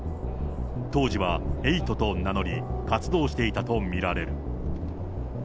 当時はエイトと名乗り、活動していたと見られる。